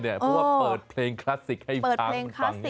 เพราะว่าเปิดเพลงคลาสสิกให้ทางฝั่งนี้